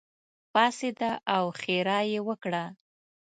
پاڅېده او ښېرا یې وکړه.